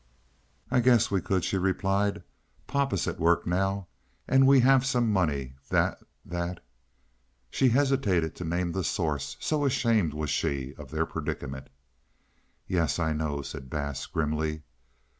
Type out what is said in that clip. "I guess we could," she replied. "Papa's at work now and we have some money that, that—" she hesitated, to name the source, so ashamed was she of their predicament. "Yes, I know," said Bass, grimly.